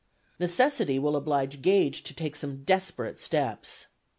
Necessity will oblige Gage to take some desperate steps.